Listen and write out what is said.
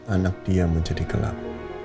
anak dia menjadi gelap